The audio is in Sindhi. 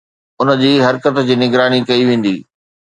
ان جي حرڪت جي نگراني ڪئي ويندي